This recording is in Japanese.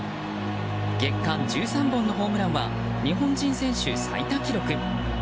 月間１３本のホームランは日本人選手最多記録。